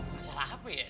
masalah apa ya